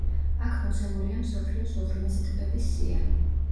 აქ მოცემულია მსოფლიოს უღრმესი ტბების სია.